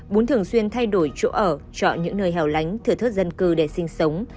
bún thường xuyên thay đổi chỗ ở chọn những nơi hẻo lánh thử thức dân cư để sinh sống